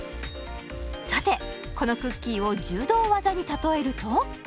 さてこのクッキーを柔道技に例えると？